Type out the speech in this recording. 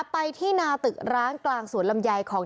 ไปที่นาตึกร้างกลางสวนลำไยของ